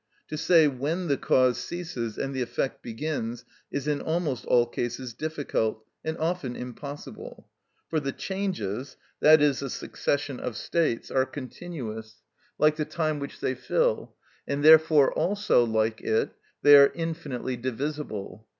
To say when the cause ceases and the effect begins is in almost all cases difficult, and often impossible. For the changes (i.e., the succession of states) are continuous, like the time which they fill, and therefore also, like it, they are infinitely divisible.